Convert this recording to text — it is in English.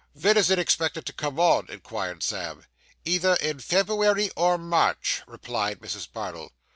'Ven is it expected to come on?' inquired Sam. 'Either in February or March,' replied Mrs. Bardell.